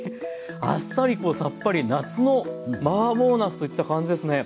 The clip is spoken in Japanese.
あっさりこうさっぱり夏のマーボーなすといった感じですね。